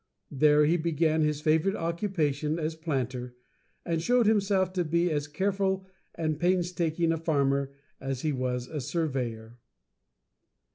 There he began his favorite occupation as a planter, and showed himself to be as careful and painstaking a farmer as he was a surveyor.